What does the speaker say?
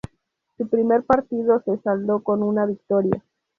Su primer partido se saldó con una victoria.